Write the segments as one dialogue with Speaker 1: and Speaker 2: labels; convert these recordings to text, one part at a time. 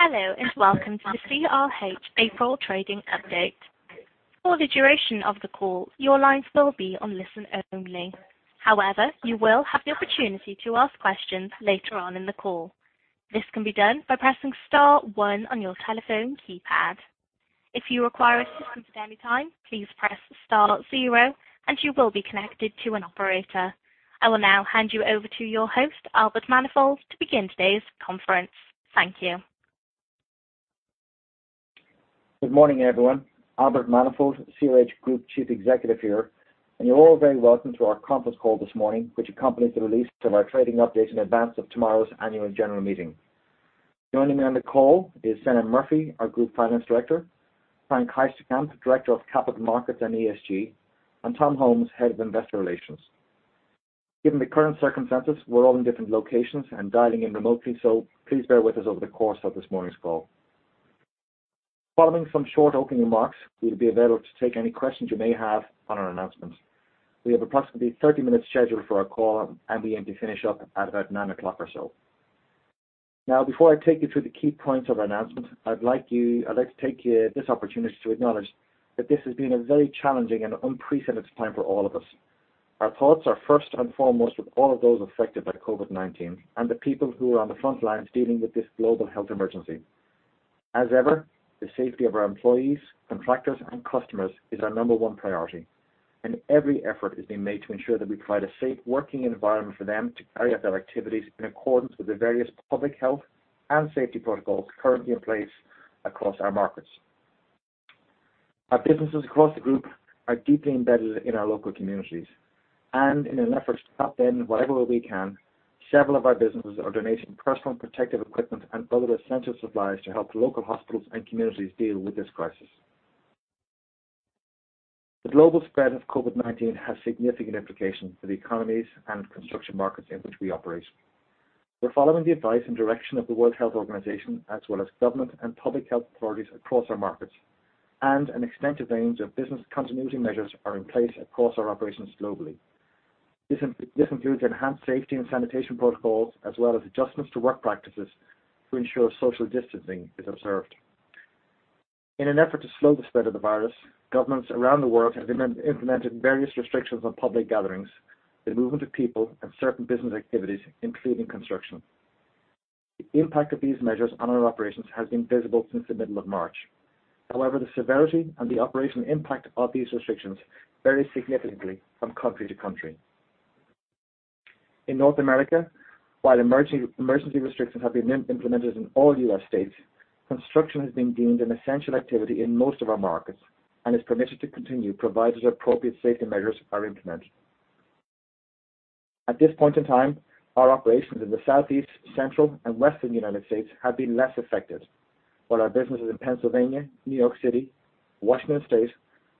Speaker 1: Hello, and welcome to the CRH April trading update. For the duration of the call, your lines will be on listen-only. However, you will have the opportunity to ask questions later on in the call. This can be done by pressing star one on your telephone keypad. If you require assistance at any time, please press star zero, and you will be connected to an operator. I will now hand you over to your host, Albert Manifold, to begin today's conference. Thank you.
Speaker 2: Good morning, everyone. Albert Manifold, CRH Group Chief Executive here. You're all very welcome to our conference call this morning, which accompanies the release of our trading update in advance of tomorrow's annual general meeting. Joining me on the call is Senan Murphy, our Group Finance Director, Frank Heisterkamp, Director of Capital Markets and ESG, and Tom Holmes, Head of Investor Relations. Given the current circumstances, we're all in different locations and dialing in remotely. Please bear with us over the course of this morning's call. Following some short opening remarks, we will be available to take any questions you may have on our announcements. We have approximately 30 minutes scheduled for our call. We aim to finish up at about nine o'clock or so. Now, before I take you through the key points of our announcement, I'd like to take this opportunity to acknowledge that this has been a very challenging and unprecedented time for all of us. Our thoughts are first and foremost with all of those affected by COVID-19 and the people who are on the front lines dealing with this global health emergency. As ever, the safety of our employees, contractors, and customers is our number one priority, and every effort is being made to ensure that we provide a safe working environment for them to carry out their activities in accordance with the various public health and safety protocols currently in place across our markets. Our businesses across the group are deeply embedded in our local communities, and in an effort to help them in whatever way we can, several of our businesses are donating personal protective equipment and other essential supplies to help local hospitals and communities deal with this crisis. The global spread of COVID-19 has significant implications for the economies and construction markets in which we operate. We're following the advice and direction of the World Health Organization, as well as government and public health authorities across our markets, and an extensive range of business continuity measures are in place across our operations globally. This includes enhanced safety and sanitation protocols, as well as adjustments to work practices to ensure social distancing is observed. In an effort to slow the spread of the virus, governments around the world have implemented various restrictions on public gatherings, the movement of people, and certain business activities, including construction. The impact of these measures on our operations has been visible since the middle of March. The severity and the operational impact of these restrictions varies significantly from country to country. In North America, while emergency restrictions have been implemented in all U.S. states, construction has been deemed an essential activity in most of our markets and is permitted to continue, provided appropriate safety measures are implemented. At this point in time, our operations in the Southeast, Central, and Western United States have been less affected. While our businesses in Pennsylvania, New York City, Washington State,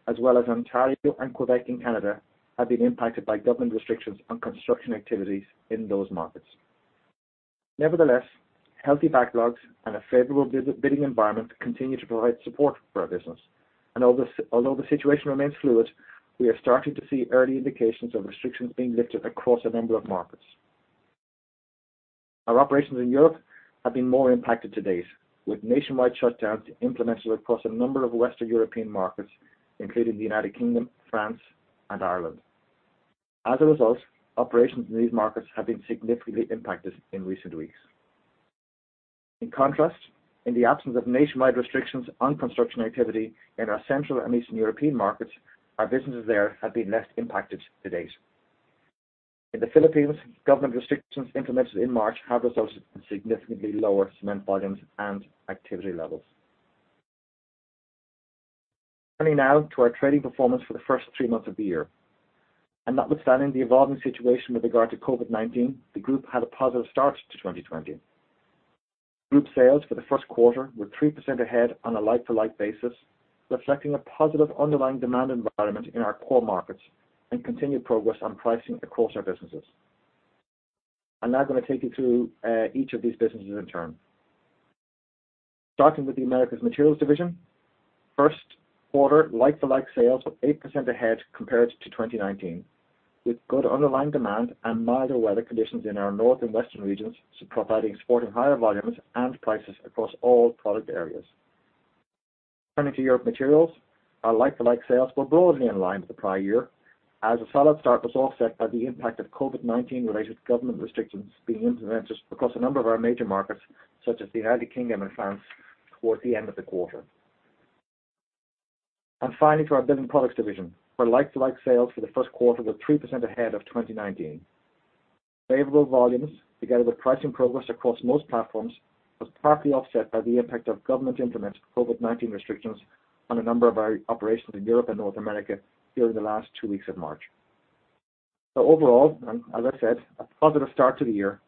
Speaker 2: as well as Ontario and Quebec in Canada, have been impacted by government restrictions on construction activities in those markets. Nevertheless, healthy backlogs and a favorable bidding environment continue to provide support for our business. Although the situation remains fluid, we are starting to see early indications of restrictions being lifted across a number of markets. Our operations in Europe have been more impacted to date, with nationwide shutdowns implemented across a number of Western European markets, including the United Kingdom, France, and Ireland. As a result, operations in these markets have been significantly impacted in recent weeks. In contrast, in the absence of nationwide restrictions on construction activity in our Central and Eastern European markets, our businesses there have been less impacted to date. In the Philippines, government restrictions implemented in March have resulted in significantly lower cement volumes and activity levels. Turning now to our trading performance for the first three months of the year, and notwithstanding the evolving situation with regard to COVID-19, the group had a positive start to 2020. Group sales for the first quarter were 3% ahead on a like-to-like basis, reflecting a positive underlying demand environment in our core markets and continued progress on pricing across our businesses. I'm now going to take you through each of these businesses in turn. Starting with the Americas Materials division. First quarter like-to-like sales were 8% ahead compared to 2019, with good underlying demand and milder weather conditions in our north and western regions, providing support in higher volumes and prices across all product areas. Turning to Europe Materials, our like-to-like sales were broadly in line with the prior year as a solid start was offset by the impact of COVID-19-related government restrictions being implemented across a number of our major markets, such as the United Kingdom and France, towards the end of the quarter. Finally, to our Building Products division, where like-to-like sales for the first quarter were 3% ahead of 2019. Favorable volumes, together with pricing progress across most platforms, was partly offset by the impact of government-implemented COVID-19 restrictions on a number of our operations in Europe and North America during the last two weeks of March. Overall, as I said, a positive start to the year,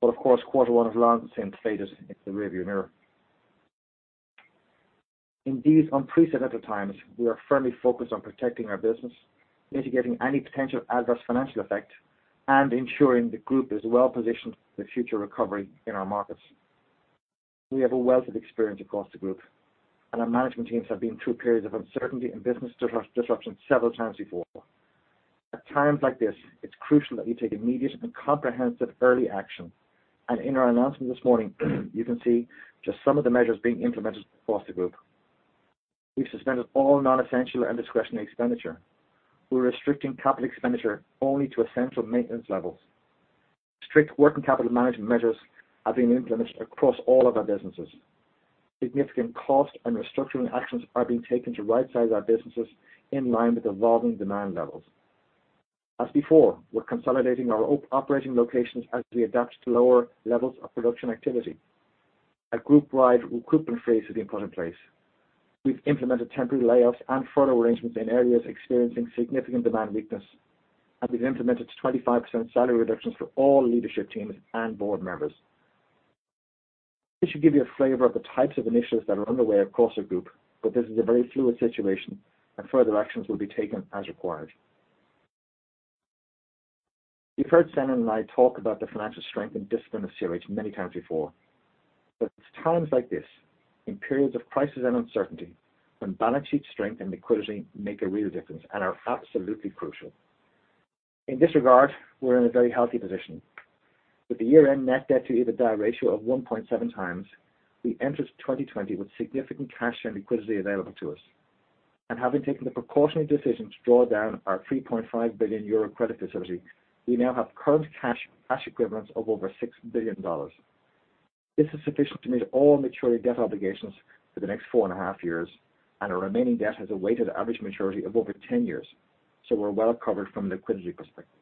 Speaker 2: but of course, quarter one is long since faded into the rearview mirror. In these unprecedented times, we are firmly focused on protecting our business, mitigating any potential adverse financial effect, and ensuring the group is well-positioned for the future recovery in our markets. We have a wealth of experience across the group, and our management teams have been through periods of uncertainty and business disruption several times before. At times like this, it's crucial that we take immediate and comprehensive early action. In our announcement this morning, you can see just some of the measures being implemented across the group. We've suspended all non-essential and discretionary expenditure. We're restricting capital expenditure only to essential maintenance levels. Strict working capital management measures are being implemented across all of our businesses. Significant cost and restructuring actions are being taken to right-size our businesses in line with evolving demand levels. As before, we're consolidating our operating locations as we adapt to lower levels of production activity. A group-wide recruitment freeze has been put in place. We've implemented temporary layoffs and furlough arrangements in areas experiencing significant demand weakness, and we've implemented 25% salary reductions for all leadership teams and board members. This should give you a flavor of the types of initiatives that are underway across our group, but this is a very fluid situation, and further actions will be taken as required. You've heard Senan and I talk about the financial strength and discipline of CRH many times before, but it's times like this, in periods of crisis and uncertainty, when balance sheet strength and liquidity make a real difference and are absolutely crucial. In this regard, we're in a very healthy position. With the year-end net debt to EBITDA ratio of 1.7 times, we entered 2020 with significant cash and liquidity available to us. Having taken the precautionary decision to draw down our 3.5 billion euro credit facility, we now have current cash equivalents of over $6 billion. This is sufficient to meet all maturity debt obligations for the next four and a half years. Our remaining debt has a weighted average maturity of over 10 years. We're well-covered from a liquidity perspective.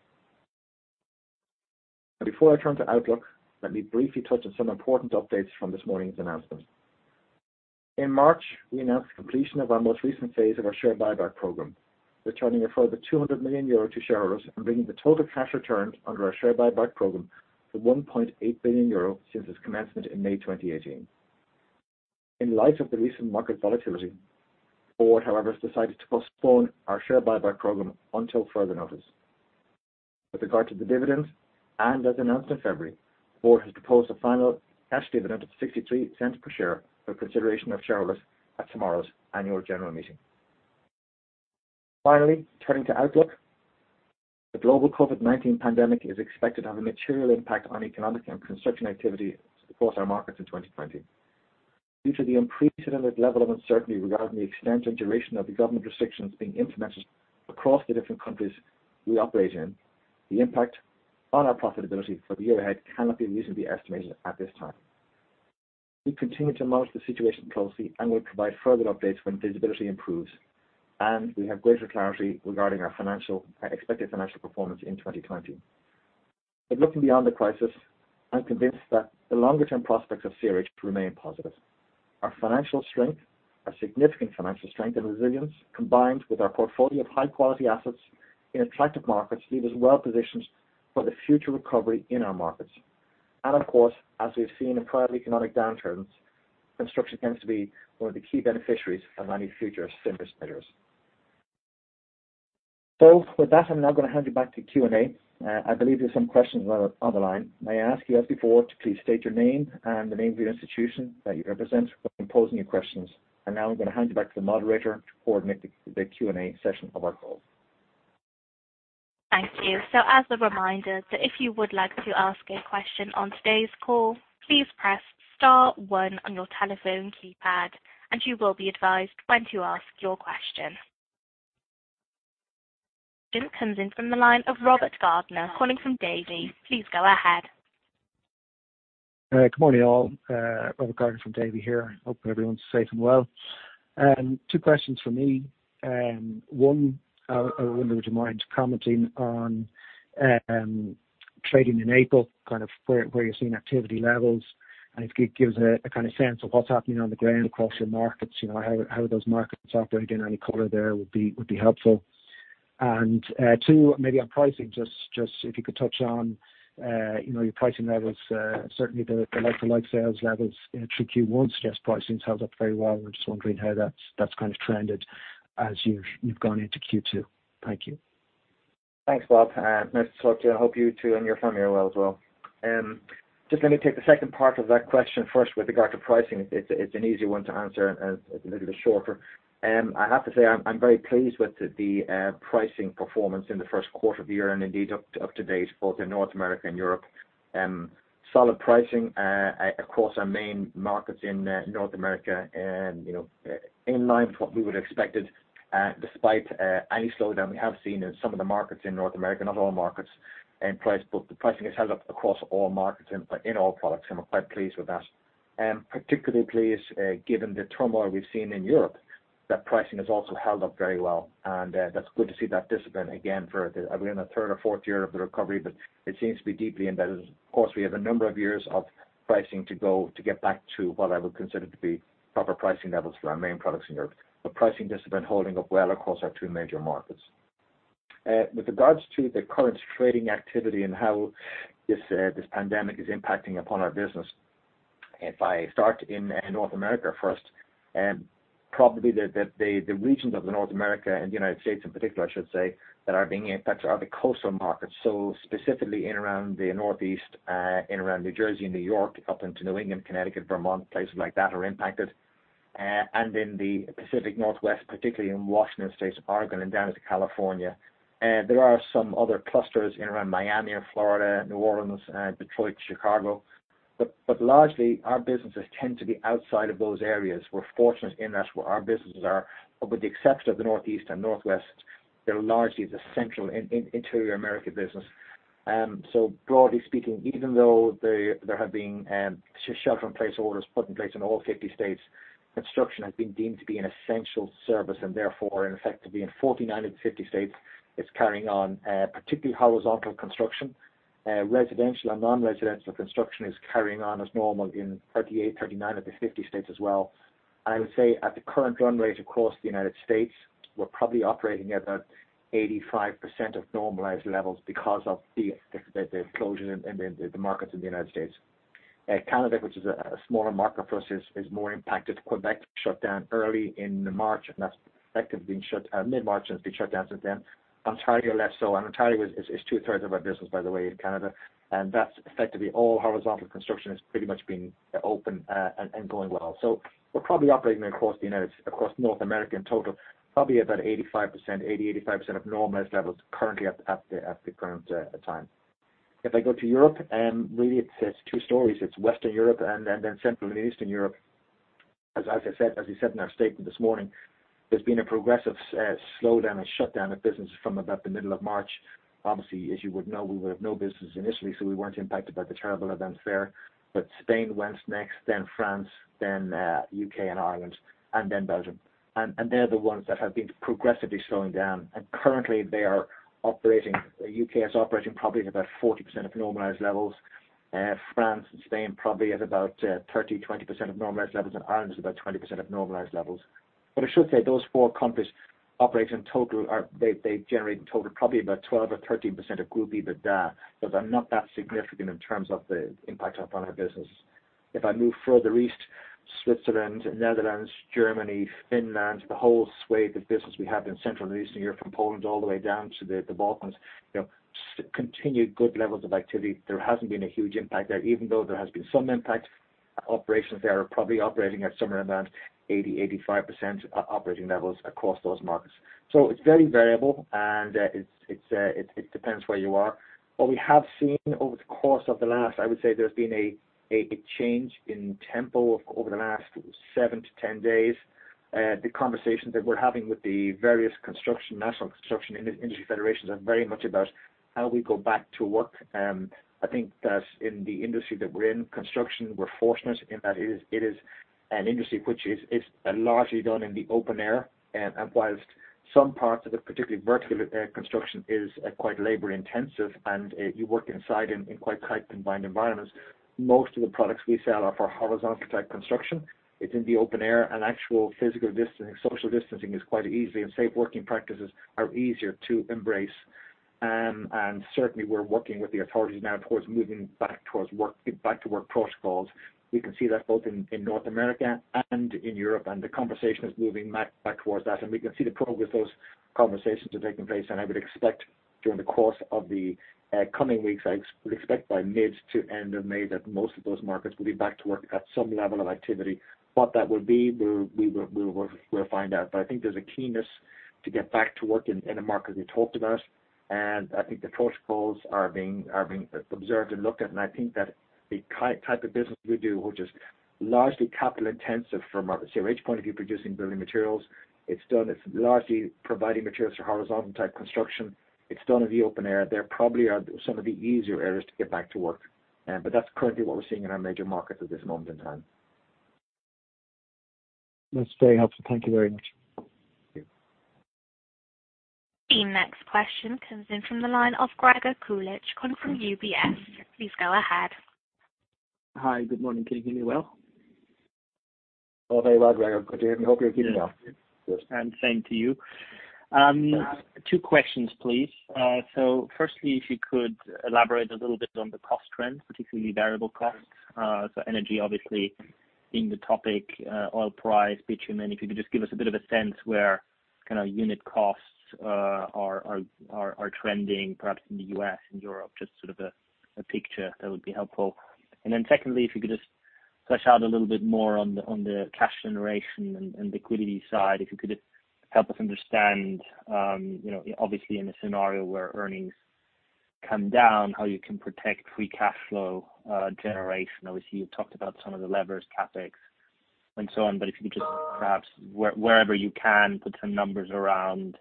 Speaker 2: Before I turn to outlook, let me briefly touch on some important updates from this morning's announcement. In March, we announced the completion of our most recent phase of our share buyback program, returning a further 200 million euro to shareholders and bringing the total cash returned under our share buyback program to 1.8 billion euro since its commencement in May 2018. In light of the recent market volatility, the board, however, has decided to postpone our share buyback program until further notice. With regard to the dividend, and as announced in February, the board has proposed a final cash dividend of 0.63 per share for consideration of shareholders at tomorrow's annual general meeting. Turning to outlook, the global COVID-19 pandemic is expected to have a material impact on economic and construction activity across our markets in 2020. Due to the unprecedented level of uncertainty regarding the extent and duration of the government restrictions being implemented across the different countries we operate in, the impact on our profitability for the year ahead cannot be reasonably estimated at this time. We continue to monitor the situation closely and will provide further updates when visibility improves and we have greater clarity regarding our expected financial performance in 2020. Looking beyond the crisis, I'm convinced that the longer-term prospects of CRH remain positive. Our financial strength, our significant financial strength and resilience, combined with our portfolio of high-quality assets in attractive markets, leave us well-positioned for the future recovery in our markets. Of course, as we've seen in prior economic downturns, construction tends to be one of the key beneficiaries of any future stimulus measures. With that, I'm now going to hand you back to Q&A. I believe there's some questions on the line. May I ask you, as before, to please state your name and the name of your institution that you represent when posing your questions. Now I'm going to hand you back to the moderator to coordinate the Q&A session of our call.
Speaker 1: Thank you. As a reminder, if you would like to ask a question on today's call, please press star one on your telephone keypad, and you will be advised when to ask your question. First question comes in from the line of Robert Gardner calling from Davy. Please go ahead.
Speaker 3: Good morning, all. Robert Gardner from Davy here. Hope everyone's safe and well. Two questions from me. One, I wonder would you mind commenting on trading in April, where you're seeing activity levels, and if it gives a kind of sense of what's happening on the ground across your markets, how those markets are doing. Any color there would be helpful. Two, maybe on pricing, just if you could touch on your pricing levels. Certainly, the like-for-like sales levels through Q1 suggest pricing's held up very well. We're just wondering how that's kind of trended as you've gone into Q2. Thank you.
Speaker 2: Thanks, Robert. Nice to talk to you. I hope you too and your family are well as well. Just let me take the second part of that question first with regard to pricing. It's an easier one to answer and a little bit shorter. I have to say I'm very pleased with the pricing performance in the first quarter of the year and indeed up to date, both in North America and Europe. Solid pricing across our main markets in North America, in line with what we would expected, despite any slowdown we have seen in some of the markets in North America, not all markets. The pricing has held up across all markets and in all products, and we're quite pleased with that. Particularly pleased given the turmoil we've seen in Europe, that pricing has also held up very well, that's good to see that discipline again for, we're in the third or fourth year of the recovery, but it seems to be deeply embedded. Of course, we have a number of years of pricing to go to get back to what I would consider to be proper pricing levels for our main products in Europe. Pricing discipline holding up well across our two major markets. With regards to the current trading activity and how this pandemic is impacting upon our business, if I start in North America first, probably the regions of the North America and the United States in particular, I should say, that are being impacted are the coastal markets. Specifically in and around the Northeast, in and around New Jersey and New York, up into New England, Connecticut, Vermont, places like that are impacted. In the Pacific Northwest, particularly in Washington state, Oregon, and down into California. There are some other clusters in and around Miami and Florida, New Orleans, Detroit, Chicago. Largely, our businesses tend to be outside of those areas. We're fortunate in that's where our businesses are. With the exception of the Northeast and Northwest, they're largely the central interior America business. Broadly speaking, even though there have been shelter-in-place orders put in place in all 50 states, construction has been deemed to be an essential service, and therefore, in effect, to be in 49 of the 50 states, it's carrying on, particularly horizontal construction. Residential and non-residential construction is carrying on as normal in 38, 39 of the 50 states as well. I would say at the current run rate across the United States, we're probably operating at about 85% of normalized levels because of the closures in the markets in the United States. Canada, which is a smaller market for us, is more impacted. Quebec shut down early in March, and that's effectively been mid-March, and it's been shut down since then. Ontario, less so. Ontario is two-thirds of our business, by the way, in Canada, and that's effectively all horizontal construction has pretty much been open and going well. We're probably operating across North America in total, probably about 80, 85% of normalized levels currently at the current time. If I go to Europe, really it's two stories. It's Western Europe and then Central and Eastern Europe. As we said in our statement this morning, there's been a progressive slowdown and shutdown of businesses from about the middle of March. As you would know, we would have no business in Italy, so we weren't impacted by the terrible events there. Spain went next, then France, then U.K. and Ireland, and then Belgium. They're the ones that have been progressively slowing down. Currently, they are operating, the U.K. is operating probably at about 40% of normalized levels. France and Spain probably at about 30%, 20% of normalized levels, and Ireland is about 20% of normalized levels. I should say those four countries operate in total, they generate in total probably about 12% or 13% of group EBITDA, so they're not that significant in terms of the impact on our business. If I move further east, Switzerland, Netherlands, Germany, Finland, the whole swathe of business we have in Central and Eastern Europe, from Poland all the way down to the Balkans, continued good levels of activity. There hasn't been a huge impact there, even though there has been some impact. Operations there are probably operating at somewhere around 80%-85% operating levels across those markets. It's very variable, and it depends where you are. What we have seen over the course of the last, I would say there's been a change in tempo over the last seven to 10 days. The conversations that we're having with the various national construction industry federations are very much about how we go back to work. I think that in the industry that we're in, construction, we're fortunate in that it is an industry which is largely done in the open air. Whilst some parts of it, particularly vertical construction, is quite labor-intensive and you work inside in quite tight, confined environments, most of the products we sell are for horizontal-type construction. It's in the open air, and actual physical distancing, social distancing is quite easy, and safe working practices are easier to embrace. Certainly, we're working with the authorities now towards moving back towards back-to-work protocols. We can see that both in North America and in Europe, and the conversation is moving back towards that, and we can see the progress those conversations are taking place. I would expect during the course of the coming weeks, I would expect by mid to end of May that most of those markets will be back to work at some level of activity. What that will be, we'll find out. I think there's a keenness to get back to work in the markets we talked about, and I think the protocols are being observed and looked at. I think that the type of business we do, which is largely capital-intensive from a CRH point of view, producing building materials, it's largely providing materials for horizontal-type construction. It's done in the open air. They probably are some of the easier areas to get back to work. That's currently what we're seeing in our major markets at this moment in time.
Speaker 3: That's very helpful. Thank you very much.
Speaker 2: Thank you.
Speaker 1: The next question comes in from the line of Gregor Kuglitsch calling from UBS. Please go ahead.
Speaker 4: Hi, good morning. Can you hear me well?
Speaker 2: All very well, Gregor. Good to hear you. Hope you're keeping well.
Speaker 4: Same to you. Two questions, please. Firstly, if you could elaborate a little bit on the cost trends, particularly variable costs. Energy, obviously being the topic, oil price, bitumen. If you could just give us a bit of a sense where kind of unit costs are trending, perhaps in the U.S. and Europe, just sort of a picture that would be helpful. Secondly, if you could just flesh out a little bit more on the cash generation and liquidity side, if you could help us understand, obviously in a scenario where earnings come down, how you can protect free cash flow generation. Obviously, you've talked about some of the levers, CapEx and so on. If you could just perhaps wherever you can, put some numbers around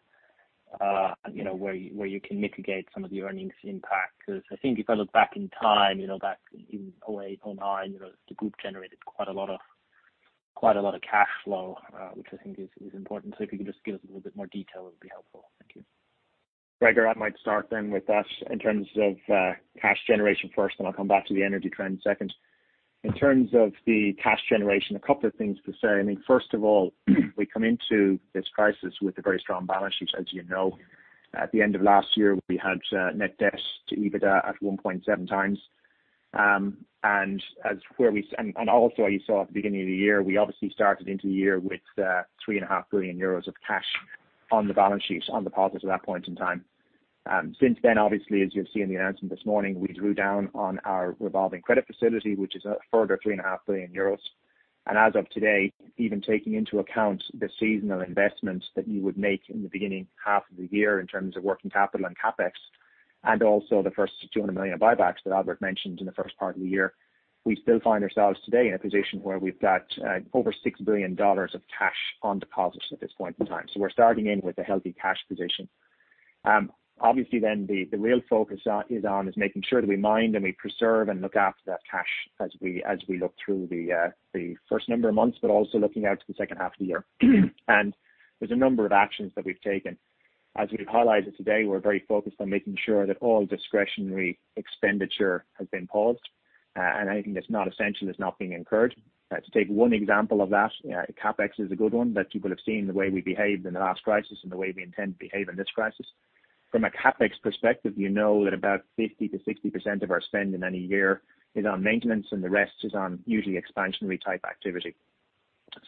Speaker 4: where you can mitigate some of the earnings impact. I think if I look back in time, back in 2008, 2009, the group generated quite a lot of cash flow, which I think is important. If you could just give us a little bit more detail, it would be helpful. Thank you.
Speaker 5: Gregor, I might start then with us in terms of cash generation first. I'll come back to the energy trend second. In terms of the cash generation, a couple of things to say. First of all, we come into this crisis with a very strong balance sheet, as you know. At the end of last year, we had net debt to EBITDA at 1.7 times. Also, you saw at the beginning of the year, we obviously started into the year with three and a half billion euros of cash on the balance sheet, on deposit at that point in time. Since then, obviously, as you will see in the announcement this morning, we drew down on our revolving credit facility, which is a further 3.5 billion euros. As of today, even taking into account the seasonal investments that you would make in the beginning half of the year in terms of working capital and CapEx, and also the first 200 million buybacks that Albert mentioned in the first part of the year, we still find ourselves today in a position where we have got over $6 billion of cash on deposits at this point in time. We are starting in with a healthy cash position. The real focus is on making sure that we mine and we preserve and look after that cash as we look through the first number of months, but also looking out to the second half of the year. There's a number of actions that we've taken. As we've highlighted today, we're very focused on making sure that all discretionary expenditure has been paused, and anything that's not essential is not being incurred. To take one example of that, CapEx is a good one that people have seen the way we behaved in the last crisis and the way we intend to behave in this crisis. From a CapEx perspective, you know that about 50%-60% of our spend in any year is on maintenance, and the rest is on usually expansionary type activity.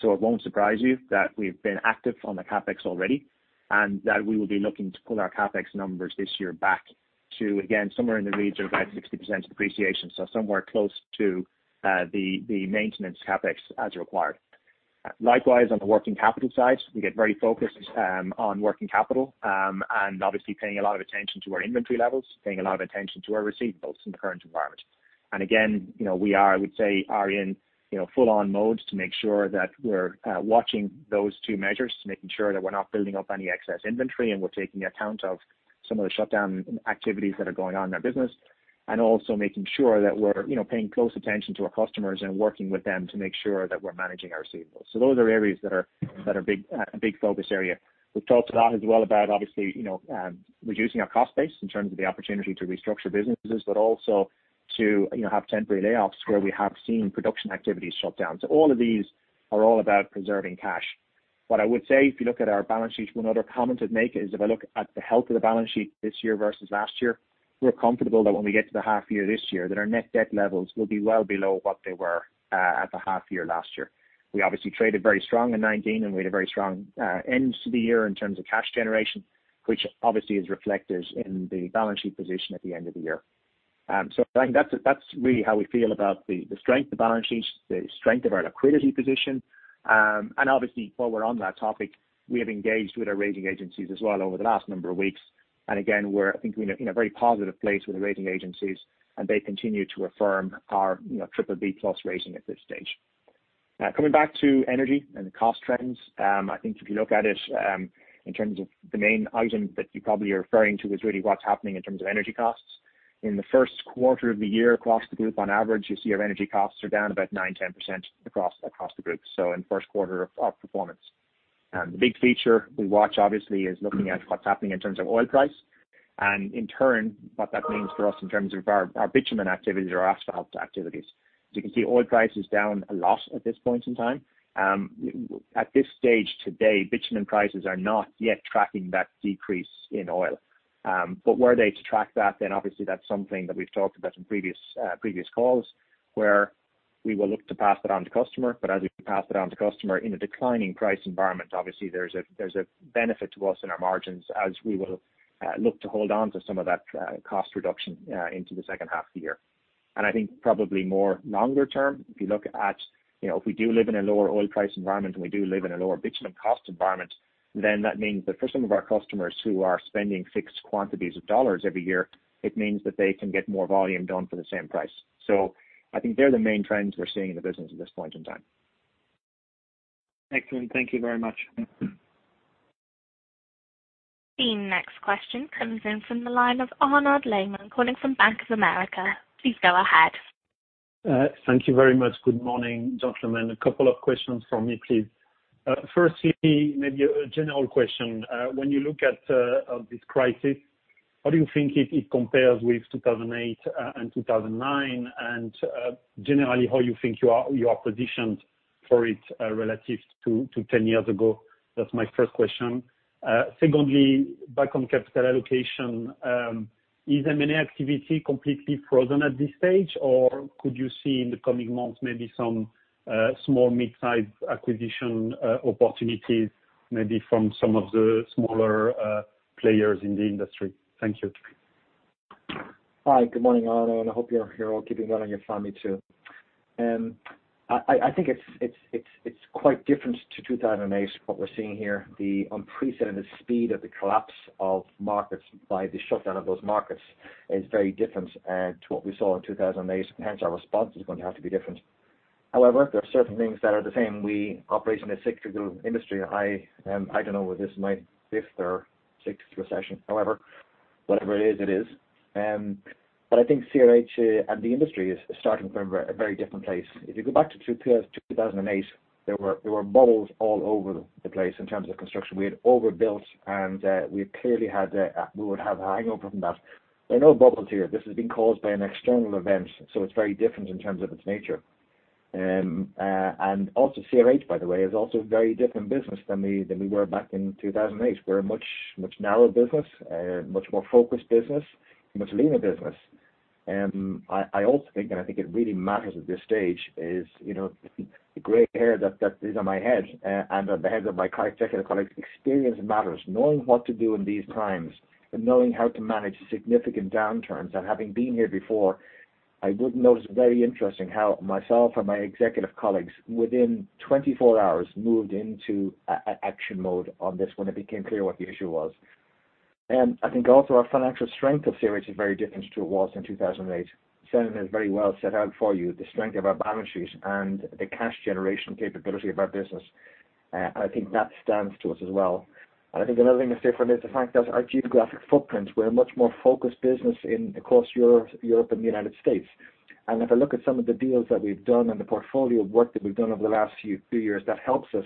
Speaker 5: It won't surprise you that we've been active on the CapEx already, and that we will be looking to pull our CapEx numbers this year back to, again, somewhere in the region of about 60% depreciation. Somewhere close to the maintenance CapEx as required. Likewise, on the working capital side, we get very focused on working capital, and obviously paying a lot of attention to our inventory levels, paying a lot of attention to our receivables in the current environment. Again, we are, I would say, are in full-on mode to make sure that we're watching those two measures, making sure that we're not building up any excess inventory, and we're taking account of some of the shutdown activities that are going on in our business, and also making sure that we're paying close attention to our customers and working with them to make sure that we're managing our receivables. Those are areas that are a big focus area. We've talked a lot as well about obviously reducing our cost base in terms of the opportunity to restructure businesses, but also to have temporary layoffs where we have seen production activities shut down. All of these are all about preserving cash. What I would say, if you look at our balance sheet, one other comment I'd make is if I look at the health of the balance sheet this year versus last year, we're comfortable that when we get to the half year this year, that our net debt levels will be well below what they were at the half year last year. We obviously traded very strong in 2019, and we had a very strong end to the year in terms of cash generation, which obviously is reflected in the balance sheet position at the end of the year. I think that's really how we feel about the strength of the balance sheet, the strength of our liquidity position. Obviously while we're on that topic, we have engaged with our rating agencies as well over the last number of weeks. Again, we're, I think, in a very positive place with the rating agencies, and they continue to affirm our BBB+ rating at this stage. Coming back to energy and the cost trends, I think if you look at it, in terms of the main item that you probably are referring to is really what's happening in terms of energy costs. In the first quarter of the year across the group on average, you see our energy costs are down about 9%, 10% across the group, so in the first quarter of performance. The big feature we watch obviously is looking at what's happening in terms of oil price, and in turn, what that means for us in terms of our bitumen activities or asphalt activities. As you can see, oil price is down a lot at this point in time. At this stage today, bitumen prices are not yet tracking that decrease in oil. Were they to track that, then obviously that's something that we've talked about in previous calls, where we will look to pass that on to customer. As we pass it on to customer in a declining price environment, obviously there's a benefit to us in our margins as we will look to hold on to some of that cost reduction into the second half of the year. I think probably more longer term, if you look at, if we do live in a lower oil price environment and we do live in a lower bitumen cost environment, then that means that for some of our customers who are spending fixed quantities of dollars every year, it means that they can get more volume done for the same price. I think they're the main trends we're seeing in the business at this point in time.
Speaker 4: Excellent. Thank you very much.
Speaker 1: The next question comes in from the line of Arnaud Lehmann calling from Bank of America. Please go ahead.
Speaker 6: Thank you very much. Good morning, gentlemen. A couple of questions from me, please. Firstly, maybe a general question. When you look at this crisis, how do you think it compares with 2008 and 2009, and generally how you think you are positioned for it relative to 10 years ago? That's my first question. Secondly, back on capital allocation, is M&A activity completely frozen at this stage, or could you see in the coming months maybe some small mid-size acquisition opportunities, maybe from some of the smaller players in the industry? Thank you.
Speaker 2: Hi, good morning, Arnaud. I hope you are all keeping well and your family too. I think it's quite different to 2008 what we're seeing here. The unprecedented speed of the collapse of markets by the shutdown of those markets is very different to what we saw in 2008, hence our response is going to have to be different. There are certain things that are the same. We operate in a cyclical industry. I don't know whether this is my fifth or sixth recession. Whatever it is, it is. I think CRH and the industry is starting from a very different place. If you go back to 2008, there were bubbles all over the place in terms of construction. We had overbuilt, and we would have hangover from that. There are no bubbles here. This has been caused by an external event. It's very different in terms of its nature. Also CRH, by the way, is also a very different business than we were back in 2008. We're a much narrower business, much more focused business, much leaner business. I also think, and I think it really matters at this stage, is the gray hair that is on my head and at the heads of my executive colleagues, experience matters. Knowing what to do in these times and knowing how to manage significant downturns and having been here before, I would notice very interesting how myself and my executive colleagues, within 24 hours, moved into action mode on this when it became clear what the issue was. I think also our financial strength of CRH is very different to what it was in 2008. Senan has very well set out for you the strength of our balance sheets and the cash generation capability of our business. I think that stands to us as well. I think another thing that's different is the fact that our geographic footprints, we're a much more focused business across Europe and the United States. If I look at some of the deals that we've done and the portfolio of work that we've done over the last few years, that helps us.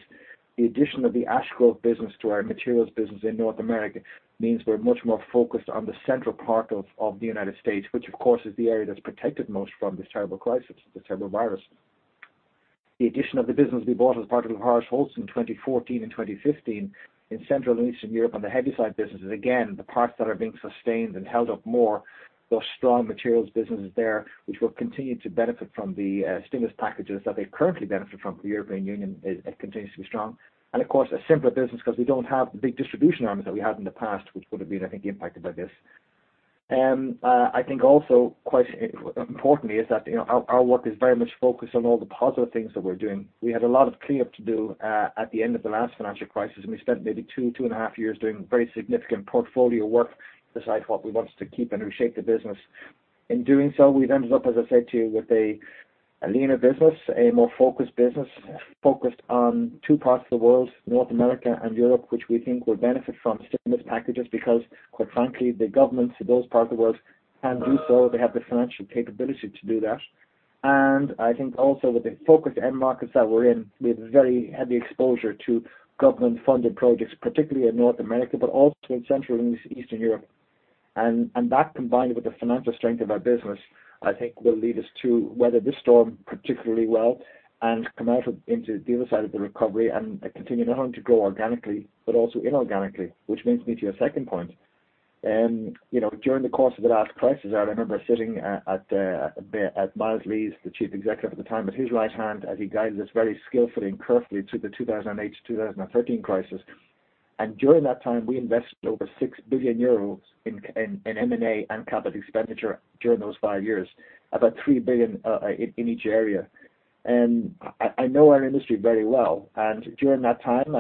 Speaker 2: The addition of the Ash Grove business to our materials business in North America means we're much more focused on the central part of the United States, which of course is the area that's protected most from this terrible crisis, this terrible virus. The addition of the business we bought as part of the Holcim in 2014 and 2015 in Central and Eastern Europe on the heavyside business is again, the parts that are being sustained and held up more, those strong materials businesses there, which will continue to benefit from the stimulus packages that they currently benefit from. The European Union continues to be strong. Of course, a simpler business because we don't have the big distribution arms that we had in the past, which would have been, I think, impacted by this. I think also quite importantly is that our work is very much focused on all the positive things that we're doing. We had a lot of cleanup to do at the end of the last financial crisis, we spent maybe two and a half years doing very significant portfolio work to decide what we wanted to keep and to shape the business. In doing so, we've ended up, as I said to you, with a leaner business, a more focused business, focused on two parts of the world, North America and Europe, which we think will benefit from stimulus packages because, quite frankly, the governments of those parts of the world can do so. They have the financial capability to do that. I think also with the focused end markets that we're in, we have very heavy exposure to government-funded projects, particularly in North America, but also in Central and Eastern Europe. That, combined with the financial strength of our business, I think will lead us to weather this storm particularly well and come out into the other side of the recovery and continue not only to grow organically but also inorganically. Which brings me to your second point. During the course of the last crisis, I remember sitting at Myles Lee, the Chief Executive at the time, at his right hand as he guided us very skillfully and carefully through the 2008-2013 crisis. During that time, we invested over 6 billion euros in M&A and capital expenditure during those 5 years, about 3 billion in each area. I know our industry very well. During that time,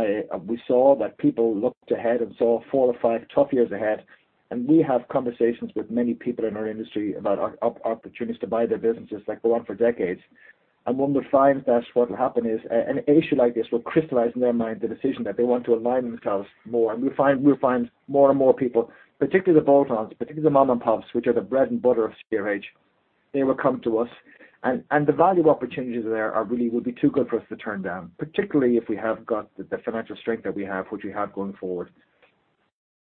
Speaker 2: we saw that people looked ahead and saw four or five tough years ahead. We have conversations with many people in our industry about opportunities to buy their businesses that go on for decades. One would find that what will happen is an issue like this will crystallize in their mind the decision that they want to align themselves more. We'll find more and more people, particularly the bolt-ons, particularly the mom and pops, which are the bread and butter of CRH, they will come to us, and the value opportunities there really would be too good for us to turn down, particularly if we have got the financial strength that we have, which we have going forward.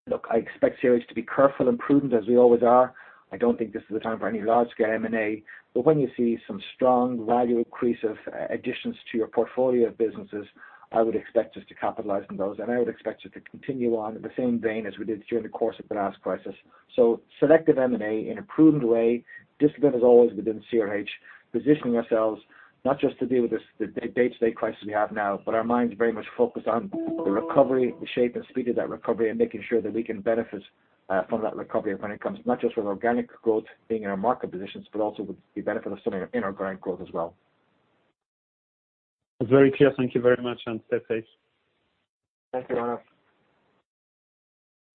Speaker 2: Look, I expect CRH to be careful and prudent as we always are. I don't think this is the time for any large-scale M&A, but when you see some strong value accretive additions to your portfolio of businesses, I would expect us to capitalize on those, and I would expect it to continue on in the same vein as we did during the course of the last crisis. Selective M&A in a prudent way, discipline as always within CRH, positioning ourselves not just to deal with the day-to-day crisis we have now, but our minds very much focused on the recovery, the shape and speed of that recovery, and making sure that we can benefit from that recovery when it comes not just with organic growth being in our market positions, but also with the benefit of some inorganic growth as well.
Speaker 6: That's very clear. Thank you very much, and stay safe.
Speaker 2: Thank you, Arnaud.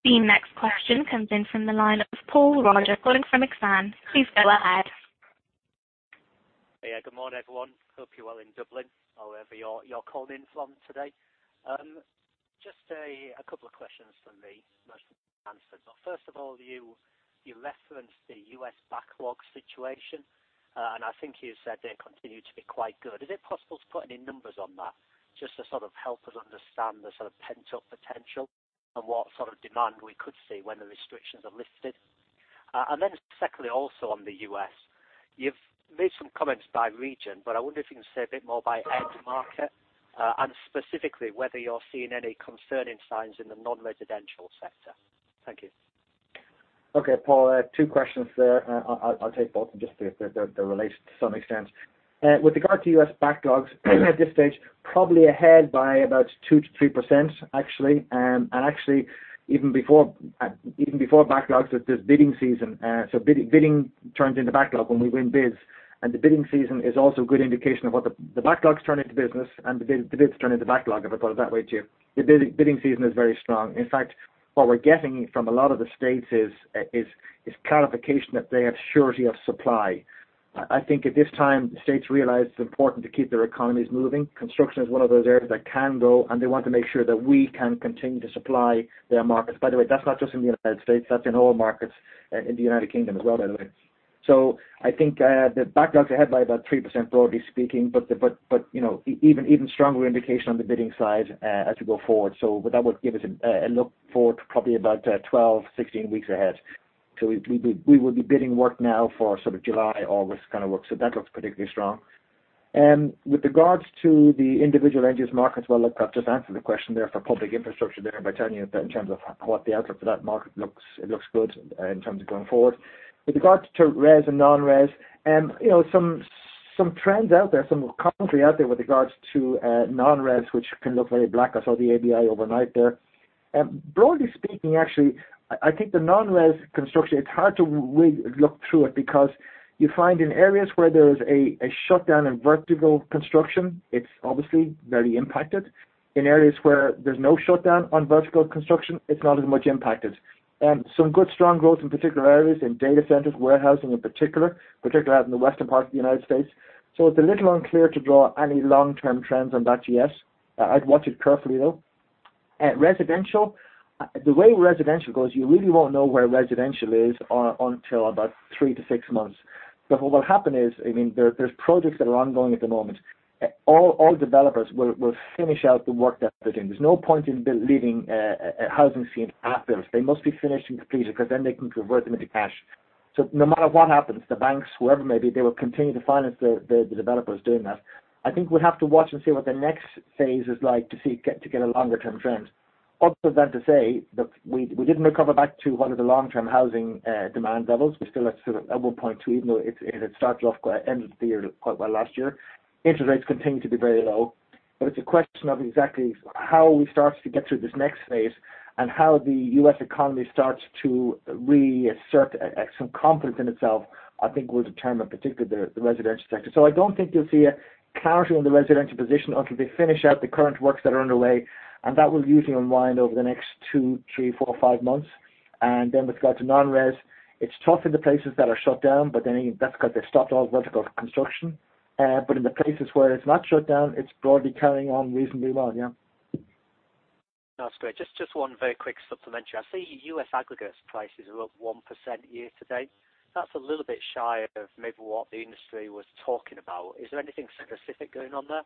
Speaker 1: The next question comes in from the line of Paul Roger calling from Exane. Please go ahead.
Speaker 7: Yeah. Good morning, everyone. Hope you're well in Dublin, however you're calling from today. Just a couple of questions from me, most answered. First of all, you referenced the U.S. backlog situation, and I think you said they continue to be quite good. Is it possible to put any numbers on that just to sort of help us understand the sort of pent-up potential and what sort of demand we could see when the restrictions are lifted? Secondly, also on the U.S., you've made some comments by region, but I wonder if you can say a bit more by end market and specifically whether you're seeing any concerning signs in the non-residential sector. Thank you.
Speaker 2: Okay, Paul, two questions there. I'll take both just because they're related to some extent. With regard to U.S. backlogs, even at this stage, probably ahead by about 2% to 3%, actually. Actually, even before backlogs, there's bidding season. Bidding turns into backlog when we win bids. The bidding season is also a good indication of what the backlogs turn into business and the bids turn into backlog, if I put it that way, too. The bidding season is very strong. In fact, what we're getting from a lot of the states is clarification that they have surety of supply. I think at this time, states realize it's important to keep their economies moving. Construction is one of those areas that can go, and they want to make sure that we can continue to supply their markets. By the way, that's not just in the U.S., that's in all markets in the U.K. as well, by the way. I think the backlogs are ahead by about 3%, broadly speaking, but even stronger indication on the bidding side as we go forward. That would give us a look forward to probably about 12, 16 weeks ahead. We will be bidding work now for sort of July, August kind of work. That looks particularly strong. With regards to the individual end-use markets, well, look, I've just answered the question there for public infrastructure there by telling you that in terms of what the outlook for that market looks, it looks good in terms of going forward. With regards to res and non-res, some trends out there, some contrary out there with regards to non-res, which can look very black. I saw the ABI overnight there. Broadly speaking, actually, I think the non-res construction, it's hard to really look through it because you find in areas where there's a shutdown in vertical construction, it's obviously very impacted. In areas where there's no shutdown on vertical construction, it's not as much impacted. Some good strong growth in particular areas, in data centers, warehousing in particular, particularly out in the western part of the U.S. It's a little unclear to draw any long-term trends on that yet. I'd watch it carefully, though. Residential, the way residential goes, you really won't know where residential is until about 3 to 6 months. What will happen is, there's projects that are ongoing at the moment. All developers will finish out the work that they're doing. There's no point in leaving a housing scheme half built. They must be finished and completed, because then they can convert them into cash. No matter what happens, the banks, whoever it may be, they will continue to finance the developers doing that. I think we'll have to watch and see what the next phase is like to get a longer-term trend. Other than to say that we didn't recover back to one of the long-term housing demand levels. We're still at sort of at 1.2, even though it had started off end of the year quite well last year. Interest rates continue to be very low. It's a question of exactly how we start to get through this next phase and how the U.S. economy starts to reassert some confidence in itself, I think will determine particularly the residential sector. I don't think you'll see a clarity on the residential position until they finish out the current works that are underway, and that will usually unwind over the next two, three, four, five months. With regard to non-res, it's tough in the places that are shut down, but then again, that's because they've stopped all vertical construction. In the places where it's not shut down, it's broadly carrying on reasonably well, yeah.
Speaker 7: That's great. Just one very quick supplementary. I see U.S. aggregates prices are up 1% year to date. That's a little bit shy of maybe what the industry was talking about. Is there anything specific going on there?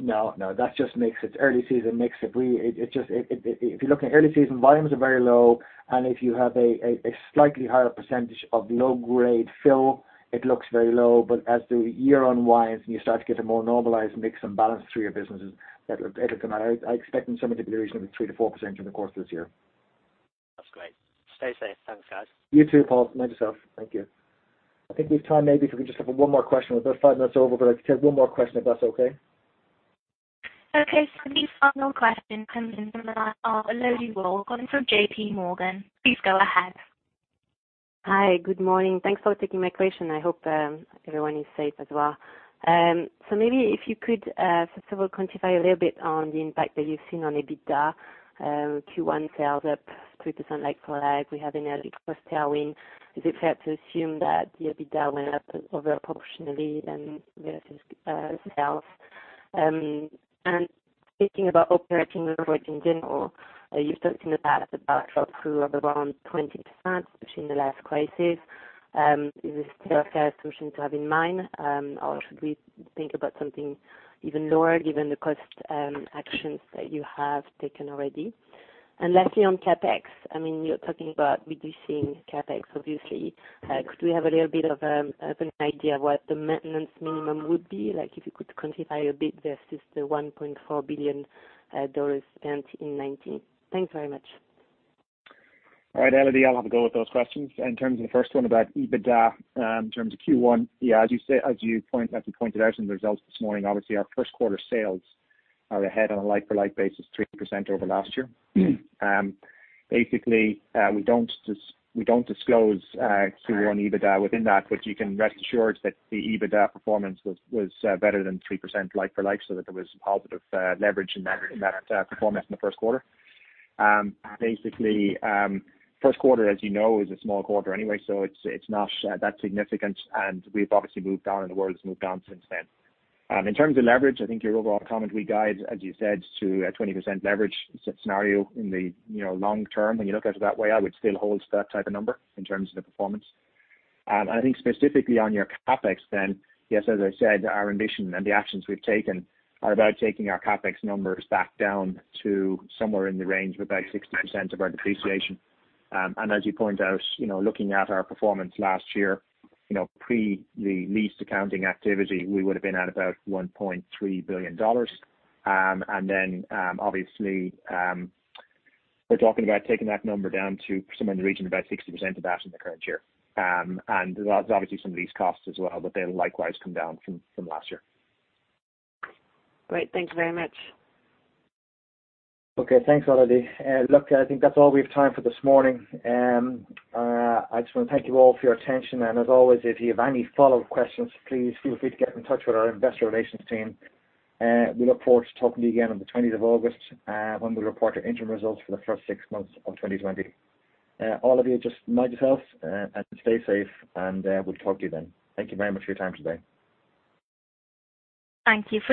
Speaker 2: No. That just makes it early season mix. If you're looking at early season, volumes are very low, and if you have a slightly higher percentage of low-grade fill, it looks very low. As the year unwinds and you start to get a more normalized mix and balance through your businesses, that'll come out. I expect them somewhere between reasonably 3%-4% during the course of this year.
Speaker 7: That's great. Stay safe. Thanks, guys.
Speaker 2: You too, Paul. Mind yourself. Thank you. I think we've time maybe if we could just have one more question. We're about five minutes over, but I could take one more question if that's okay.
Speaker 1: Okay, the final question comes in from Elodie Rall from JPMorgan. Please go ahead.
Speaker 8: Hi. Good morning. Thanks for taking my question. I hope everyone is safe as well. Maybe if you could, first of all, quantify a little bit on the impact that you've seen on EBITDA. Q1 sales up 3% like-for-like. We have an early cost tailwind. Is it fair to assume that the EBITDA went up over proportionally then versus sales? Speaking about operating leverage in general, you've talked in the past about drop through of around 20% between the last crisis. Is this still a fair assumption to have in mind, or should we think about something even lower given the cost actions that you have taken already? Lastly, on CapEx, you're talking about reducing CapEx, obviously. Could we have a little bit of an idea of what the maintenance minimum would be like if you could quantify a bit versus the $1.4 billion spent in 2019? Thanks very much.
Speaker 5: All right, Elodie, I'll have a go at those questions. In terms of the first one about EBITDA, in terms of Q1, yeah, as you pointed out in the results this morning, obviously our first quarter sales are ahead on a like-for-like basis, 3% over last year. Basically, we don't disclose Q1 EBITDA within that, but you can rest assured that the EBITDA performance was better than 3% like for like, so that there was positive leverage in that performance in the first quarter. Basically, first quarter, as you know, is a small quarter anyway, so it's not that significant, and we've obviously moved on and the world's moved on since then. In terms of leverage, I think your overall comment, we guide, as you said, to a 20% leverage scenario in the long term. When you look out to that way, I would still hold to that type of number in terms of the performance. I think specifically on your CapEx then, yes, as I said, our ambition and the actions we've taken are about taking our CapEx numbers back down to somewhere in the range of about 60% of our depreciation. As you point out, looking at our performance last year, pre the lease accounting activity, we would have been at about $1.3 billion. Then, obviously, we're talking about taking that number down to somewhere in the region of about 60% of that in the current year. There's obviously some of these costs as well, but they'll likewise come down from last year.
Speaker 8: Great. Thank you very much.
Speaker 2: Okay. Thanks, Elodie. I think that's all we have time for this morning. I just want to thank you all for your attention, and as always, if you have any follow-up questions, please feel free to get in touch with our investor relations team. We look forward to talking to you again on the 20th of August, when we report our interim results for the first six months of 2020. All of you, just mind yourself, and stay safe. We'll talk to you then. Thank you very much for your time today.
Speaker 1: Thank you.